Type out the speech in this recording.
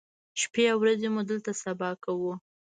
شپې او ورځې مو دلته سبا کوو.